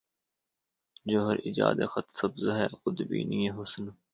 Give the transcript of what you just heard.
جوہر ایجاد خط سبز ہے خود بینیٔ حسن